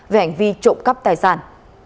về hành vi trộm cắp tài sản